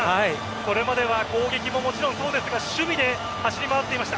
これまでは攻撃ももちろんそうですが守備で走り回っていました。